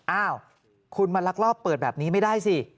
อ้าวคุณมาลักลอบเปิดแบบนี้ไม่ได้สิ